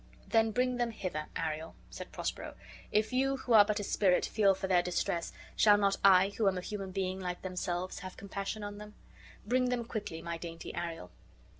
"Then bring them hither, Ariel," said Prospero: "if you, who are but a spirit, feel for their distress, shall not I, who am a human being like themselves, have compassion on them? Bring them quickly, my dainty Ariel."